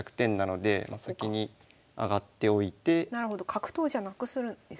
角頭じゃなくするんですね。